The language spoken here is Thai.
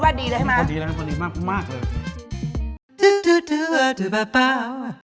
โปรดติดตามตอนต่อไป